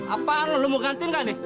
apaan lu lu mau gantiin gak nih